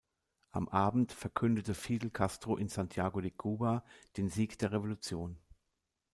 Am Abend verkündete Fidel Castro in Santiago de Cuba den Sieg der Revolution.